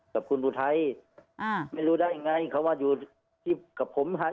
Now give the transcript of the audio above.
กับคุณอุทัยอ่าไม่รู้ได้ไงเขาว่าอยู่ที่กับผมฮะ